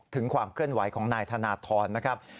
ถึงความเคลื่อนไหวของนายธนทรนะครับ